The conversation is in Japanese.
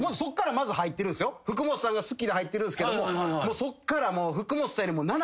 福本さんが好きで入ってるんすけどもそっから。